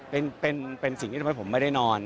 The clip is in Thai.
เป็นสิ่งที่ทำให้ผมไม่ได้นอน